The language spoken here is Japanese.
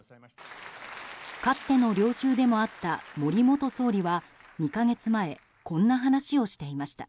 かつての領袖でもあった森元総理は２か月前こんな話をしていました。